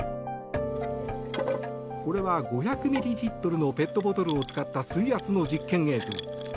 これは５００ミリリットルのペットボトルを使った水圧の実験映像。